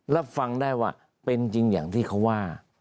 รับฟังได้ว่าเป็นจริงอย่างที่เขาว่า